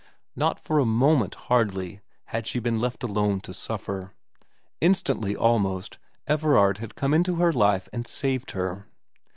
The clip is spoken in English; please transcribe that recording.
Not for a moment, hardly, had she been left alone to suffer. Instantly, almost, Everard had come into her life and saved her.